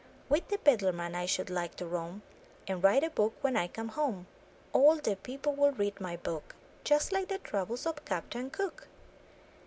With the peddler man I should like to roam, And write a book when I come home: All the people would read my book Just like the travels of Captain Cook!